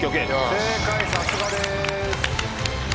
正解さすがです。